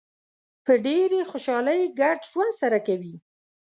په ډېرې خوشحالۍ ګډ ژوند سره کوي.